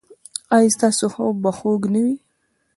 ایا ستاسو خوب به خوږ نه وي؟